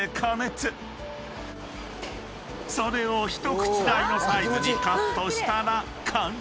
［それを一口大のサイズにカットしたら完成］